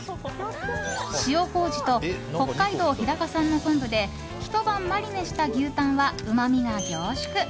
塩麹と北海道日高産の昆布でひと晩マリネした牛タンはうまみが凝縮。